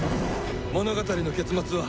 物語の結末は。